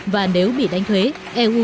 và nếu bị đánh thuế eu